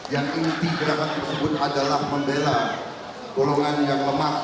yang inti gerakan tersebut adalah membela golongan yang lemah